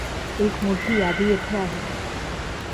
एक मोठी यादी येथे आहे.